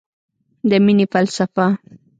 د مینې فلسفه